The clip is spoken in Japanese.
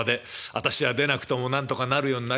私が出なくてもなんとかなるようになりました。